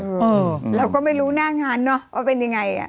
เราก็ไม่รู้หน้างานเนอะว่าเป็นยังไงอ่ะ